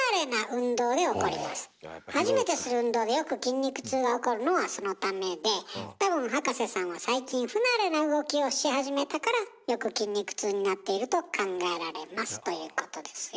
初めてする運動でよく筋肉痛が起こるのはそのためで多分葉加瀬さんは最近不慣れな動きをし始めたからよく筋肉痛になっていると考えられますということですよ。